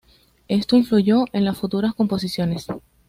Esto influyó en sus futuras composiciones.